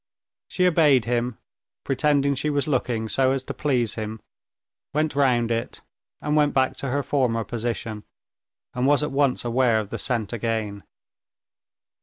She obeyed him, pretending she was looking, so as to please him, went round it, and went back to her former position, and was at once aware of the scent again.